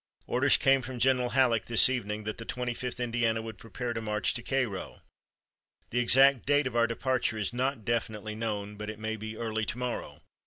Orders came out from General Halleck this evening that 'The Twenty fifth Indiana would prepare to march to Cairo.' The exact date of our departure is not definitely known, but it may be early to morrow.